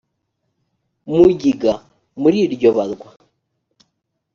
mugiga muri iryo barwa